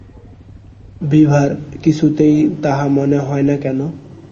বিভার কিছুতেই তাহা মনে হয় না কেন?